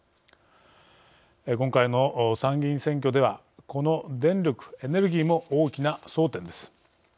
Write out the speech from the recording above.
今回の参議院選挙ではこの電力・エネルギーも大きな争点です。